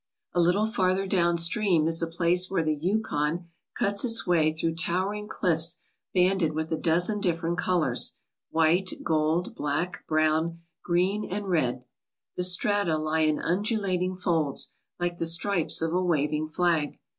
A little farther down stream is a place where the Yukon cuts its way through towering cliffs banded with a dozen different colours, white, gold, black, brown, green, and red. The strata lie in undulating folds, like the stripes of a waving flag.